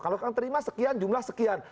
kalau terima sekian jumlah sekian